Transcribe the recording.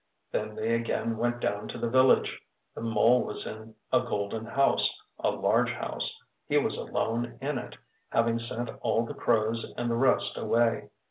Then they again went down to that village. The mole was in a golden house a large house. He was alone in it, having sent all the crows and the rest away.